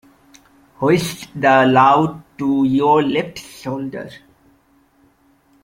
Hoist the load to your left shoulder.